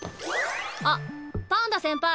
あっパンダ先輩